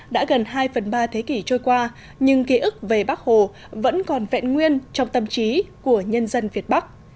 đã gần hai phần ba thế kỷ trôi qua nhưng ký ức về bắc hồ vẫn còn vẹn nguyên trong tâm trí của nhân dân việt bắc